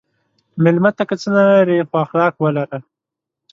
مېلمه ته که نه څه لرې، خو اخلاق ولره.